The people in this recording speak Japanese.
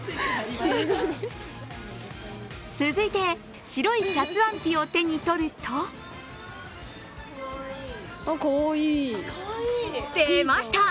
続いて、白いシャツワンピを手に取ると出ました！